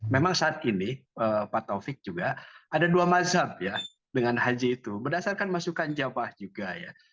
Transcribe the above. memang saat ini pak taufik juga ada dua mazhab ya dengan haji itu berdasarkan masukan jawa juga ya